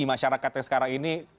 masyarakat yang sekarang ini